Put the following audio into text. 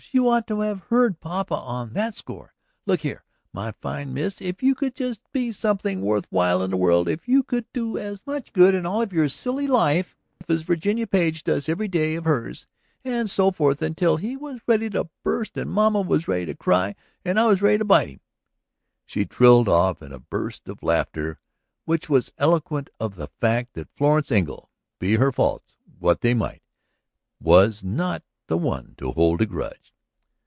You ought to have heard papa on that score; 'Look here, my fine miss; if you could just be something worth while in the world, if you could do as much good in all of your silly life as Virginia Page does every day of hers,' ... and so forth until he was ready to burst and mama was ready to cry, and I was ready to bite him!" She trilled off in a burst of laughter which was eloquent of the fact that Florence Engle, be her faults what they might, was not the one to hold a grudge.